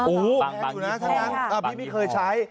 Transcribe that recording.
อู๋ถูกน่ะถูกน่ะพี่ไม่เคยใช้